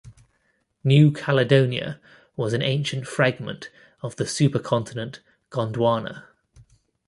New Caledonia was an ancient fragment of the supercontinent Gondwana.